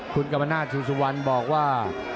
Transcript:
คุณกรรมนาสซูซุวันบอกว่า